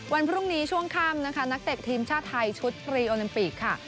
วันพรุ่งนี้ช่วงค่ำนะคะนักเตะทีมชาติไทยชุดฟรีโอลิมปิกค่ะ